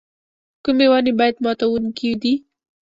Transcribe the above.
کومې ونې باد ماتوونکي دي؟